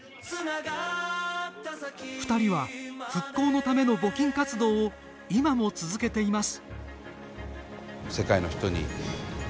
２人は復興のための募金活動を今も続けています。